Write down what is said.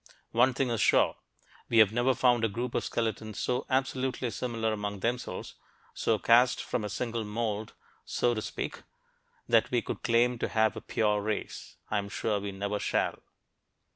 One thing is sure. We have never found a group of skeletons so absolutely similar among themselves so cast from a single mould, so to speak that we could claim to have a "pure" race. I am sure we never shall.